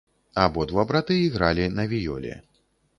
Абодва браты ігралі на віёле.